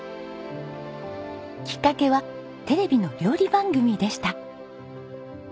きっかけはテレビの料理番組でした。